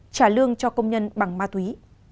trả lương cho công nhân bằng ma túy